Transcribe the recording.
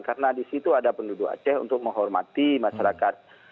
karena di situ ada penduduk aceh untuk menghormati masyarakat